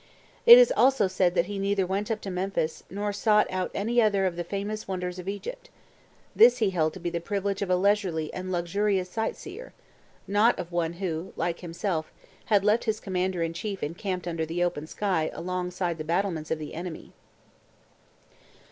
It is also said that he neither went up to Memphis, nor sought out any other of the famous wonders of Egypt ; this he held to be the privilege of a leisurely and luxurious sight seer, not of one who, like him self, had left his commander in chief encamped under the open sky alongside the battlements of the enemy.